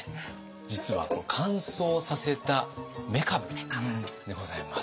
実は乾燥させためかぶでございます。